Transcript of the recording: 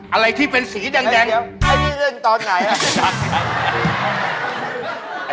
อะไรที่เป็นศีรแดง